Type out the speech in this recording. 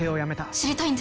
知りたいんです。